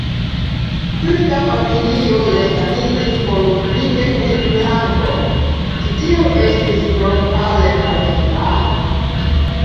Tuta familio resaniĝis por kvindek mil frankoj: ĉu tio estis tro kare pagita?